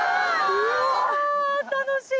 うわ楽しい！